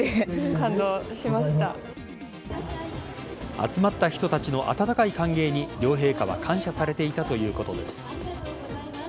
集まった人たちの温かい歓迎に両陛下は感謝されていたということです。